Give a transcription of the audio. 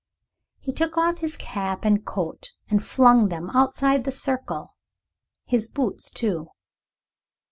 He took off his cap and coat and flung them outside the circle, his boots too.